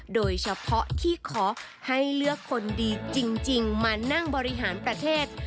โดยเฉพาะที่ขอให้เลือกคนดีจริงมานั่งบริหารประเทศ